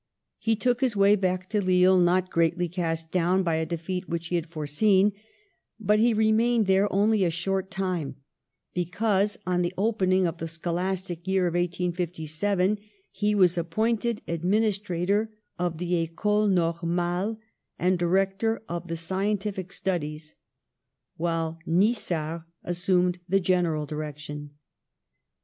He took his way back to Lille, not greatly cast down by a defeat which he had foreseen, but he remained there only a short time, because, on the open ing of the scholastic year of 1857, he was ap pointed Administrator of the Ecole Normale and director of the scientific studies, while Nisard assumed the general direction.